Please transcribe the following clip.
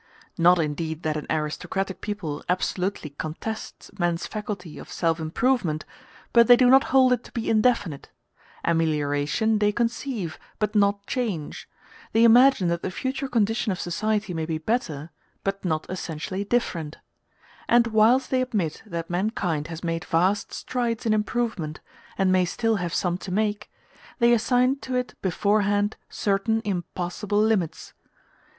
Not indeed that an aristocratic people absolutely contests man's faculty of self improvement, but they do not hold it to be indefinite; amelioration they conceive, but not change: they imagine that the future condition of society may be better, but not essentially different; and whilst they admit that mankind has made vast strides in improvement, and may still have some to make, they assign to it beforehand certain impassable limits.